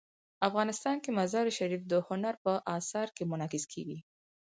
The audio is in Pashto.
افغانستان کې مزارشریف د هنر په اثار کې منعکس کېږي.